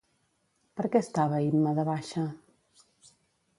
Per què estava Imma de baixa?